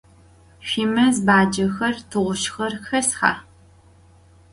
Şüimez bacexer, tığuzjxer xesxa?